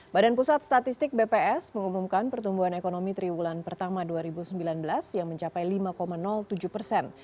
badan pusat statistik bps mengumumkan pertumbuhan ekonomi triwulan pertama dua ribu sembilan belas yang mencapai lima tujuh persen